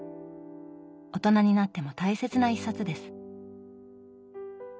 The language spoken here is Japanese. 大人になっても大切な一冊です。